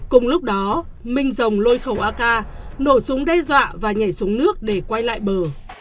cùng lúc đó minh dòng lôi khẩu ak nổ súng đe dọa và nhảy xuống nước để quay lại bờ